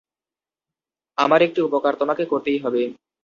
আমার একটি উপকার তোমাকে করতেই হবে।